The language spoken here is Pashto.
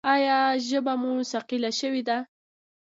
ایا ژبه مو ثقیله شوې ده؟